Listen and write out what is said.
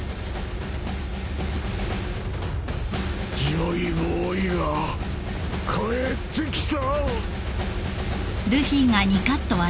ジョイボーイが帰ってきた！